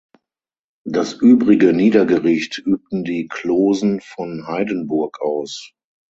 Das übrige Niedergericht übten die Closen von Haidenburg aus.